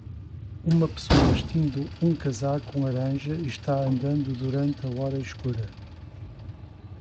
Uma pessoa vestindo um casaco laranja está andando durante a hora escura.